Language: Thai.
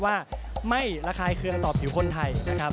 ว่าไม่ระคายเคืองต่อผิวคนไทยนะครับ